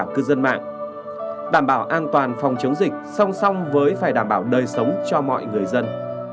các lực lượng chức năng hỗ trợ đảm bảo an toàn phòng chống dịch song song với phải đảm bảo đời sống cho mọi người dân